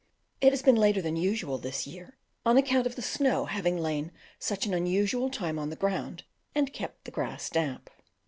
It has been later than usual this year, on account of the snow having lain such an unusual time on the ground and kept the grass damp.